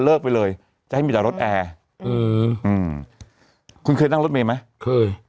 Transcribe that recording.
ไปเลยจะให้มีแต่รถแอร์อืมอืมคุณเคยนั่งรถเมย์ไหมเคย